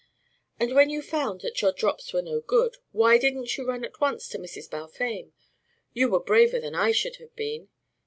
"But when you found that your drops were no good, why didn't you run at once to Mrs. Balfame? You were braver than I should have been.